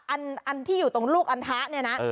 อันที่อยู่ตรงลูกอันทะเนี่ยนะ